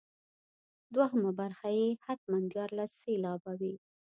دوهمه برخه یې حتما دیارلس سېلابه وي.